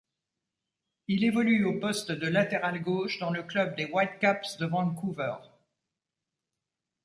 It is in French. Il évolue au poste de latéral gauche dans le club des Whitecaps de Vancouver.